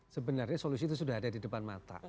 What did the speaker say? sebenarnya solusi itu sudah ada di depan mata